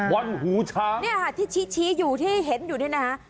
หูช้างเนี่ยค่ะที่ชี้อยู่ที่เห็นอยู่นี่นะคะ